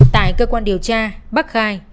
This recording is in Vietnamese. tại cơ quan điều tra bác khai